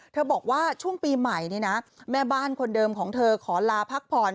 บอกว่าช่วงปีใหม่เนี่ยนะแม่บ้านคนเดิมของเธอขอลาพักผ่อน